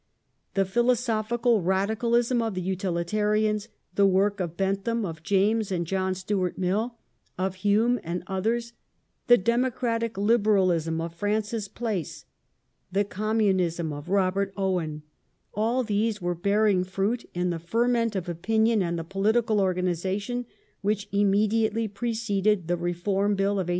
The philosophical radicalism of the Utilitarians ; the work of Bentham, of James and John Stuart Mill, of Hume and others ; the democratic liberalism of Francis Place ; the communism of Robert Owen, all these were bearing fruit in the ferment of opinion and the political organization which immediately preceded the > Reform Bill of 1831.